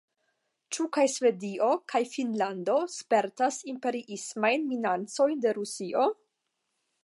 Ĉu kaj Svedio kaj Finnlando spertas imperiismajn minacojn de Rusio?